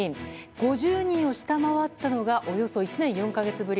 ５０人を下回ったのがおよそ１年４か月ぶり。